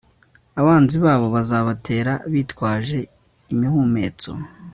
abanzi babo bazabatera bitwaje imihumetso